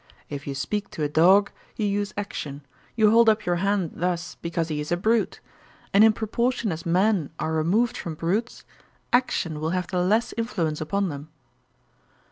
If you speak to a dog, you use action; you hold up your hand thus, because he is a brute; and in proportion as men are removed from brutes, action will have the less influence upon them.'